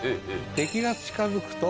敵が近づくと。